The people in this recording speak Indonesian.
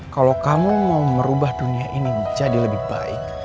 kalau kamu mau merubah dunia ini menjadi lebih baik